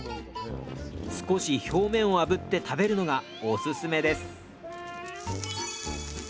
少し表面をあぶって食べるのがオススメです